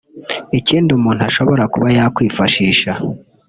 Ikindi umuntu ashobora kuba yakwifashisha